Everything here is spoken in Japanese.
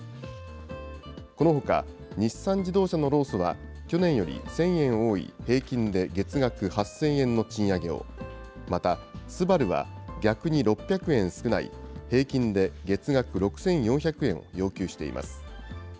このほか、日産自動車の労組は、去年より１０００円多い平均で月額８０００円の賃上げを、またＳＵＢＡＲＵは、逆に６００円少ない、平均で月額６４００円を要求しています。